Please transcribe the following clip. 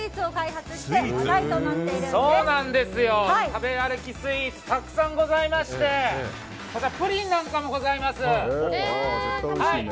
食べ歩きスイーツたくさんございましてプリンなんかもございます。